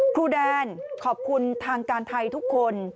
ครูแดนขอบคุณทางการไทยทุกคน